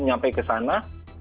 nyampe ke sana